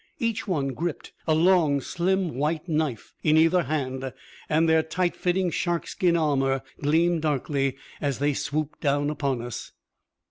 Each one gripped a long, slim white knife in either hand, and their tight fitting shark skin armor gleamed darkly as they swooped down upon us.